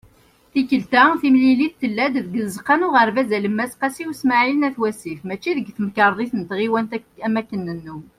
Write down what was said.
Tikelt-a, timlilit tella-d deg Tzeqqa n Uɣerbaz Alemmas "Qasi Usmaɛil" n At Wasif mačči deg Temkarḍit n Tɣiwant am wakken i nennum.